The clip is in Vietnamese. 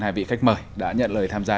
hai vị khách mời đã nhận lời tham gia